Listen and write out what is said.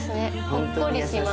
ほっこりします。